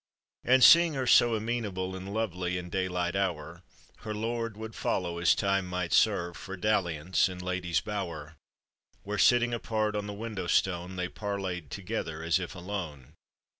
And seeing her so amenable And lovely in daylight hour, Her lord would follow as time might serve For dalliance in lady's bower, Where sitting apart on the window stone They parleyed together as if alone.